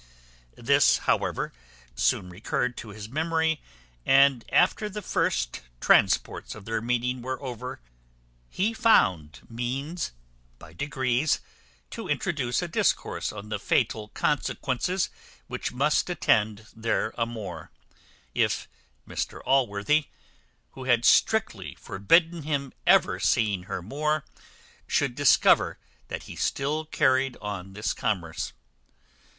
This, however, soon recurred to his memory; and after the first transports of their meeting were over, he found means by degrees to introduce a discourse on the fatal consequences which must attend their amour, if Mr Allworthy, who had strictly forbidden him ever seeing her more, should discover that he still carried on this commerce.